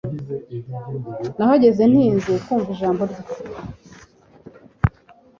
Nahageze ntinze kumva ijambo rye